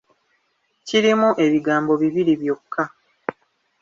Kirimu ebigambo bibiri byokka.